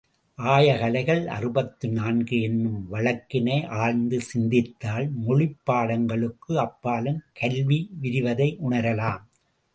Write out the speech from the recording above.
ஆயகலைகள் அறுபத்து நான்கு என்னும் வழக்கினை ஆழ்ந்து சிந்தித்தால், மொழிப் பாடங்களுக்கு அப்பாலும் கல்வி விரிவதை உணரலாம்.